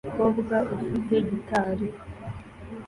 Umukobwa ufite gitari